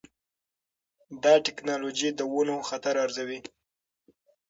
دا ټکنالوجي د ونو خطر ارزوي.